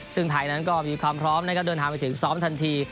ซึ่งไทยนั้นก็มีความพร้อมนะครับเดินทางไปถึงซ้อมทันที